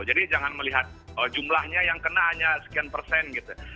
jadi jangan melihat jumlahnya yang kena hanya sekian persen gitu